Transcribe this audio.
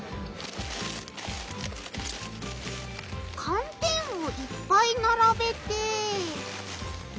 寒天をいっぱいならべて。